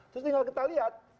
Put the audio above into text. terus tinggal kita lihat